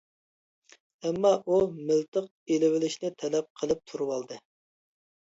ئەمما ئۇ مىلتىق ئېلىۋېلىشنى تەلەپ قىلىپ تۇرۇۋالدى.